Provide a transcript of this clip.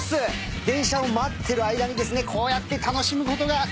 電車を待ってる間にですねこうやって楽しむことができちゃいます。